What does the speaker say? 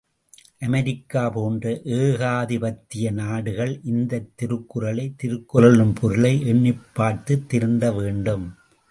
America போன்ற ஏகாதிபத்திய நாடுகள் இந்தத் திருக்குறளை திருக்குறளின் பொருளை எண்ணிப்பார்த்துத் திருந்த வேண்டும்.